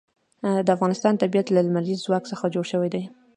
د افغانستان طبیعت له لمریز ځواک څخه جوړ شوی دی.